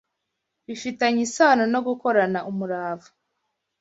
bifitanye isano no gukorana umurava